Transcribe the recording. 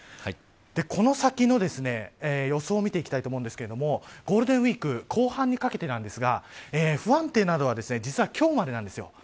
この先の予想を見ていきたいと思うんですがゴールデンウイーク後半にかけてですが不安定なのは実は今日までなんです。